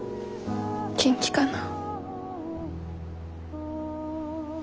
元気かなぁ。